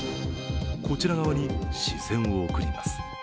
こちら側に視線を送ります。